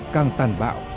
càng tàn bạo